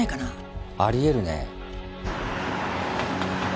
あり得るね。